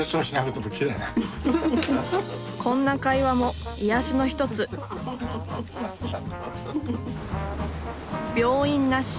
こんな会話も癒やしの一つ病院なし。